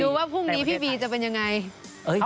ว่าพรุ่งนี้พี่บีจะเป็นยังไง